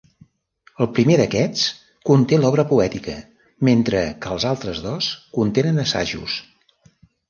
El primer d'aquests conté l'obra poètica, mentre que els altres dos contenen assajos.